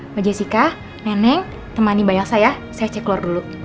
mbak jessica neneng temani mbak elsa ya saya cek keluar dulu